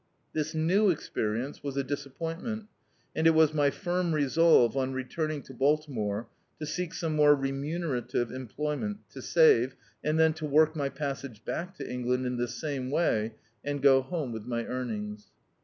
This new experience was D,i.,.db, Google The Autobiography of a Super Tramp a disappointment, and it was my firm resolve, on returning to Baltimore, to seek some more remuner ative employment, to save, and then to work my passage back to England in this same way, and go home with my earnings.